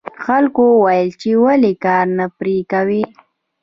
خلکو وویل چې ولې کار نه پرې کوې.